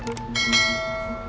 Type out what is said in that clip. ya kita balik